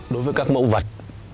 đối với các mẫu vật